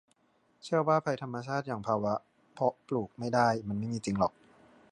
เชื่อว่าภัยธรรมชาติอย่างภาวะเพาะปลูกไม่ได้มันไม่มีจริงหรอก